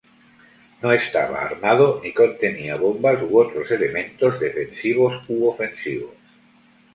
No estaba armado ni contenía bombas u otros elementos defensivos u ofensivos.